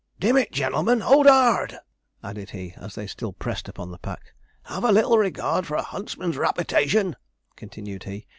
'Dim it, gen'lemen, hold hard!' added he, as they still pressed upon the pack. 'Have a little regard for a huntsman's raputation,' continued he.